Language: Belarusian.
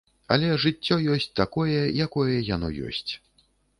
Але жыццё ёсць такое, якое яно ёсць.